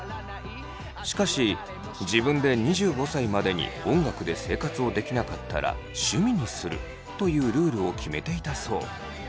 しかし自分で２５歳までに音楽で生活をできなかったら趣味にするというルールを決めていたそう。